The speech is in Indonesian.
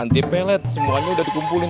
anti pellet semuanya udah dikumpulin